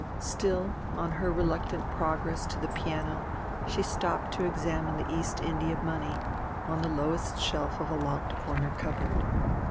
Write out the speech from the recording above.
Still on her reluctant progress to the piano she stopped to examine the East India money on the lowest shelf of a locked corner cupboard.